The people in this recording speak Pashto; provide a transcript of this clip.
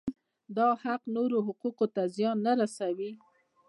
دا حق نورو حقوقو ته زیان نه رسوي.